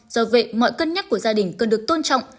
do vậy mọi cân nhắc của gia đình cần được tôn trọng